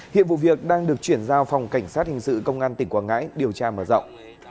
hiện vụ việc đang được chuyển giao phòng cảnh sát hình sự công an tỉnh quảng ngãi điều tra mở rộng